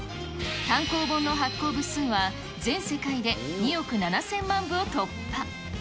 単行本の発行部数は、全世界で２億７０００万部を突破。